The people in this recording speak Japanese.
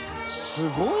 すごい！